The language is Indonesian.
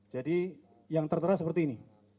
jadi yang tertera seperti ini